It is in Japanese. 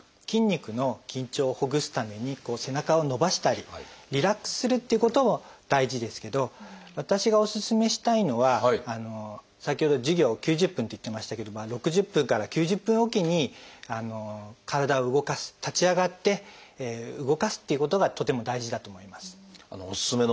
筋肉の緊張をほぐすために背中を伸ばしたりリラックスするっていうことも大事ですけど私がお勧めしたいのは先ほど授業９０分って言ってましたけど６０分から９０分おきに体を動かす立ち上がって動かすっていうことがとても大事だと思います。